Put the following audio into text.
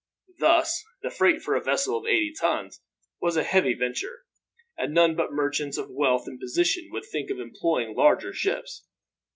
Thus the freight for a vessel of eighty tons was a heavy venture, and none but merchants of wealth and position would think of employing larger ships.